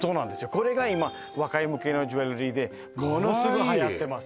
これが今若い向けのジュエリーでものすごいはやってます